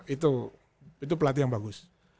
itu pelatih yang bagus